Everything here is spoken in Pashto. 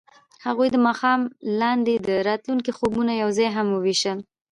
هغوی د ماښام لاندې د راتلونکي خوبونه یوځای هم وویشل.